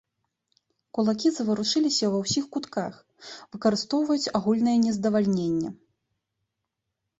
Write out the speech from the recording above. Кулакі заварушыліся ўва ўсіх кутках, выкарыстоўваюць агульнае нездавальненне.